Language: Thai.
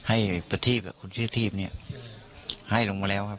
ให้ประทีบคนชื่อทีพเนี่ยให้ลงมาแล้วครับ